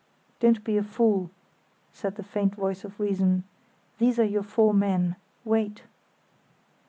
"Don't be a fool," said the faint voice of reason. "There are your four men. Wait."